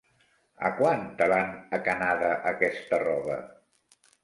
A quant te l'han acanada, aquesta roba?